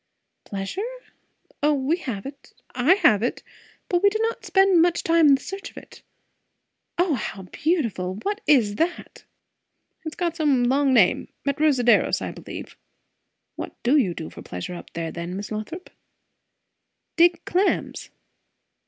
"Pleasure? O, we have it I have it But we do not spend much time in the search of it. O how beautiful! what is that?" "It's got some long name Metrosideros, I believe. What do you do for pleasure up there then, Miss Lothrop?" "Dig clams."